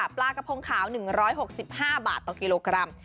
ปลากระพงขาว๑๖๕บาทต่อกิโลกรัม